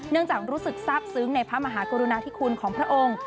จากรู้สึกทราบซึ้งในพระมหากรุณาธิคุณของพระองค์